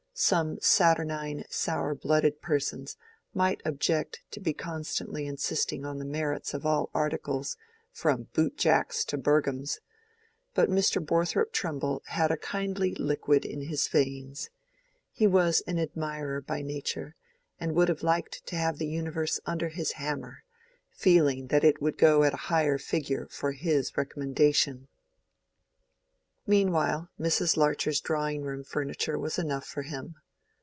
Some saturnine, sour blooded persons might object to be constantly insisting on the merits of all articles from boot jacks to "Berghems;" but Mr. Borthrop Trumbull had a kindly liquid in his veins; he was an admirer by nature, and would have liked to have the universe under his hammer, feeling that it would go at a higher figure for his recommendation. Meanwhile Mrs. Larcher's drawing room furniture was enough for him.